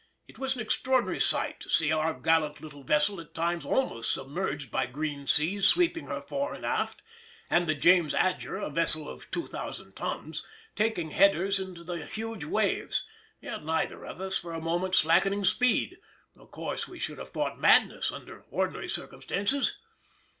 It was an extraordinary sight to see our gallant little vessel at times almost submerged by green seas sweeping her fore and aft, and the James Adger, a vessel of 2000 tons, taking headers into the huge waves, yet neither of us for a moment slackening speed, a course we should have thought madness under ordinary circumstances.